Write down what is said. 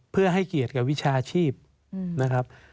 เพื่อให้เกียรติกับวิชาชีพนะครับ